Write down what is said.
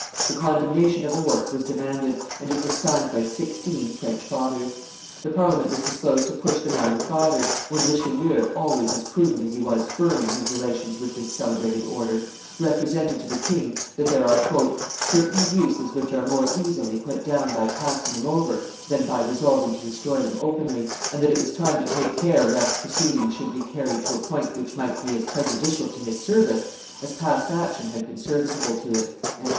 The condemnation of the work was demanded, and it was signed by sixteen French fathers. The Parliament was disposed to push the matter farther, when Richelieu, always as prudent as he was firm in his relations with this celebrated order, represented to the king that there are "certain abuses which are more easily put down by passing them over than by resolving to destroy them openly, and that it was time to take care lest proceedings should be carried to a point which might be as prejudicial to his service as past action had been serviceable to it."